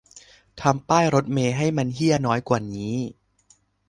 ทำป้ายรถเมล์ให้มันเหี้ยน้อยกว่านี้